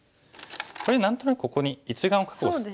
これ何となくここに１眼を確保して。